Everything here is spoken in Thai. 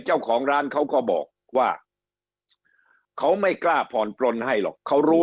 เจ้าของร้านเขาก็บอกว่าเขาไม่กล้าผ่อนปลนให้หรอกเขารู้